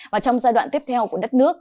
và trong giai đoạn tiếp theo của đất nước